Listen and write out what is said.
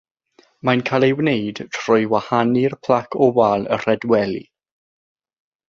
Mae'n cael ei wneud trwy wahanu'r plac o wal y rhedweli.